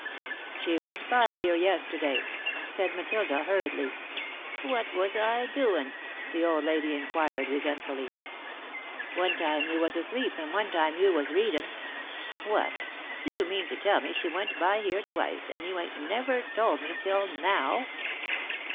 "She went by here yesterday," said Matilda, hurriedly. "What was I doin'?" the old lady inquired, resentfully. "One time you was asleep and one time you was readin'." "What? Do you mean to tell me she went by here twice and you ain't never told me till now?"